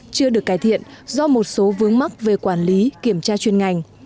chưa được cải thiện do một số vướng mắc về quản lý kiểm tra chuyên ngành